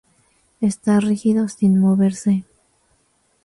Está rígido, sin moverse.